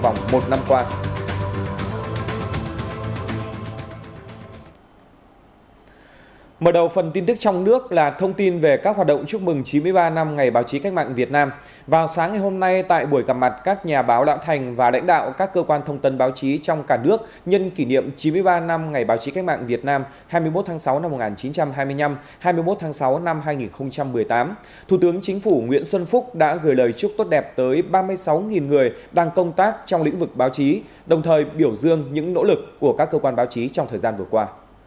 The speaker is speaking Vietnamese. nhân kỷ niệm chín mươi ba năm ngày báo chí cách mạng việt nam hai mươi một tháng sáu năm một nghìn chín trăm hai mươi năm hai mươi một tháng sáu năm hai nghìn một mươi tám thủ tướng chính phủ nguyễn xuân phúc đã gửi lời chúc tốt đẹp tới ba mươi sáu người đang công tác trong lĩnh vực báo chí đồng thời biểu dương những nỗ lực của các cơ quan báo chí trong thời gian vừa qua